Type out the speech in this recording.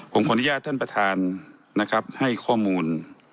ผมขออนุญาตท่านประธานนะครับให้ข้อมูล